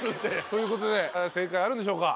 ということで正解あるんでしょうか？